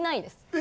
え？